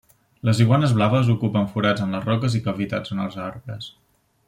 Les iguanes blaves ocupen forats en les roques i cavitats en els arbres.